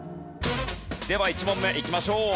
では１問目いきましょう。